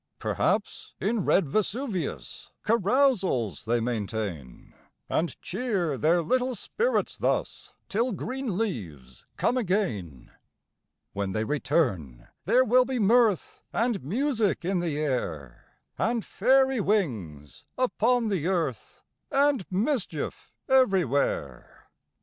Perhaps, in red Vesuvius Carousals they maintain ; And cheer their little spirits thus, Till green leaves come again. When they return, there will be mirth And music in the air, And fairy wings upon the earth, And mischief everywhere.